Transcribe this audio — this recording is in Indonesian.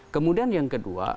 kemudian yang kedua